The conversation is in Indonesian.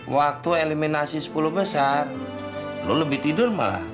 waktu eliminasi sepuluh besar lo lebih tidur malah